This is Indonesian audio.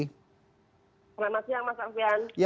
selamat siang mas afian